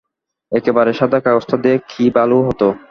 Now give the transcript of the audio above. একেবারে সাদা কাগজটা দেয়া কি ভালো হত?